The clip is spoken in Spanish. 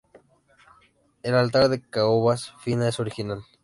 El altar de caoba fina es original.